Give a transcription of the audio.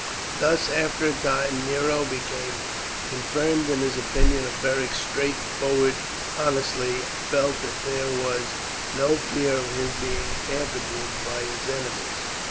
Thus, after a time, Nero became confirmed in his opinion of Beric's straightforward honesty, and felt that there was no fear of his being tampered with by his enemies.